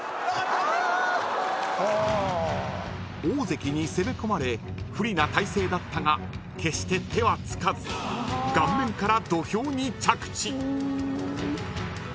［大関に攻め込まれ不利な体勢だったが決して手はつかず顔面から土俵に着地］